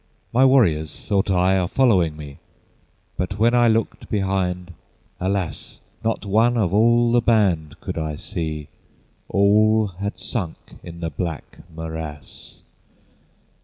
My warriors, thought I, are following me; But when I looked behind, alas! Not one of all the band could I see, All had sunk in the black morass!